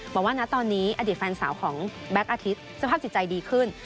บอกว่าณตอนนี้อดีตแฟนสาวของแบ็คอาทิตย์สภาพจิตใจดีขึ้น